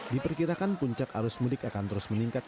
diperkirakan puncak arus mudik akan terus meningkat